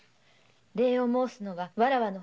礼を申すのはわらわの方じゃ。